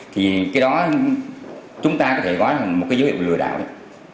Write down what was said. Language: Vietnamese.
thì cái đó chúng ta có thể gói thành một cái dấu hiệu lừa đạo đấy